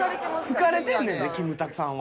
好かれてんねんでキムタクさんは。